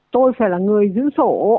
tôi sẽ là người giữ sổ